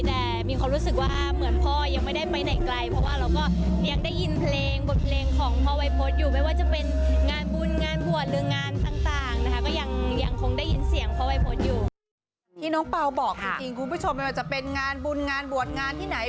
ที่น้องเป๋าบอกคุณผู้ชมว่าจะเป็นงานบุญงานบวตงานที่ไหน